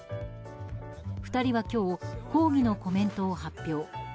２人は今日抗議のコメントを発表。